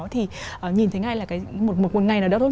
thì nhìn thấy ngay là một ngày nào đó thôi